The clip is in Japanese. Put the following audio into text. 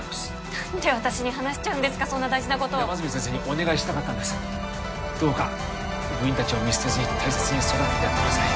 何で私に話しちゃうんですかそんな大事なことを山住先生にお願いしたかったんですどうか部員たちを見捨てずに大切に育ててやってください